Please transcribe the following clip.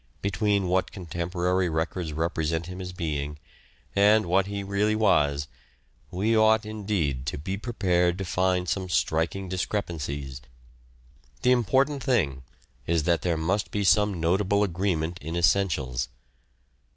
Between what contemporary records represent him as being, and what he really was, we ought, indeed, to be prepared to find some 109 no " SHAKESPEARE " IDENTIFIED striking discrepancies : the important thing is that there must be some notable agreement in essentials.